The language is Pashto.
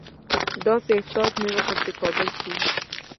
داسې احساس مې وکړ چې کابل کې یم.